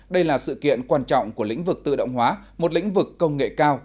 đây là sự kiện quan trọng của lĩnh vực tự động hóa một lĩnh vực công nghệ cao